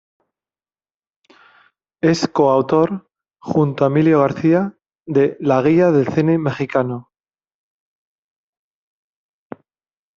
Es coautor, junto a Emilio García, de "La guía del cine mexicano.